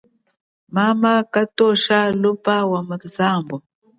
Mama kanotsha luba wa muzambu.